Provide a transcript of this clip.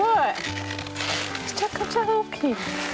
めちゃくちゃ大きい。